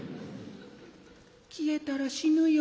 消えたら死ぬよ」。